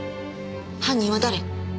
犯人は誰？